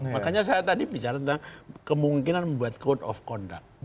makanya saya tadi bicara tentang kemungkinan membuat code of conduct